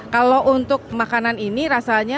kalau untuk makanan ini rasanya